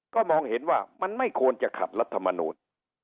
ก็มองเห็นว่ามันไม่ควรจะขัดรัฐมนูล